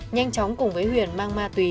nhanh chóng cùng với huyền mang ma túy